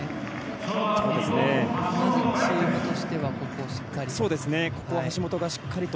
まずチームとしてはここをしっかりと。